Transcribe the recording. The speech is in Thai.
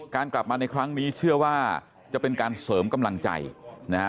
กลับมาในครั้งนี้เชื่อว่าจะเป็นการเสริมกำลังใจนะฮะ